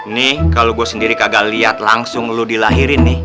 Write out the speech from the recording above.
nih kalau gue sendiri kagak lihat langsung lu dilahirin nih